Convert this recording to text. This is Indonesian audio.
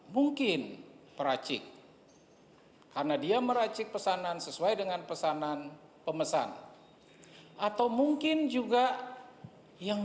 mungkin peracik karena dia meracik pesanan sesuai dengan pesanan pemesan atau mungkin juga yang